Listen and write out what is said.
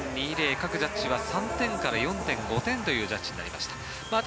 各ジャッジは３．５から４点という結果になりました。